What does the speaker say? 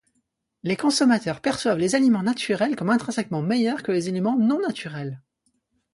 Les consommateurs perçoivent les aliments naturels comme intrinsèquement meilleurs que les aliments non-naturels.